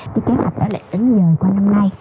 cái kế hoạch đó lại tính nhờ qua năm nay